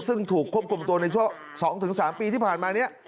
ซึ่งถูกควบคุมตัวในช่วง๒๓ปีที่ผ่านมานี้